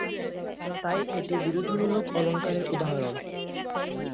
তাই এটি বিরোধমূলক অলঙ্কারের উদাহরণ।